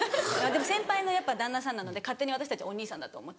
先輩の旦那さんなので勝手に私たちはお兄さんだと思ってます。